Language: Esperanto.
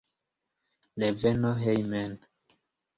Reveno hejmen.